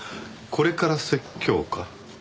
これから説教か？